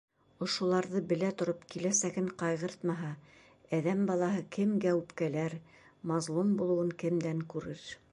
Ошоларҙы белә тороп, киләсәген ҡайғыртмаһа, әҙәм балаһы кемгә үпкәләр, мазлум булыуын кемдән күрер...